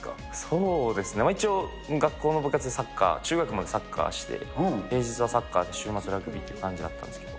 そうですね、一応、学校の部活でサッカー、中学までサッカーして、平日はサッカー、週末ラグビーって感じだったんですけど。